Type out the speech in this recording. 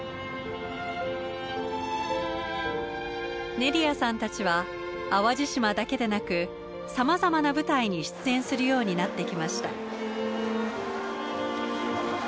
ネリアさんたちは淡路島だけでなくさまざまな舞台に出演するようになってきました。